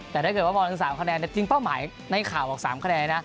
แต่ถ้าเกิดว่ามองถึง๓คะแนนจริงเป้าหมายในข่าวบอก๓คะแนนนะ